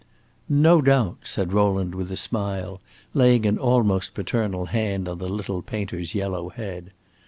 "No doubt," said Rowland, with a smile, laying an almost paternal hand on the little painter's yellow head.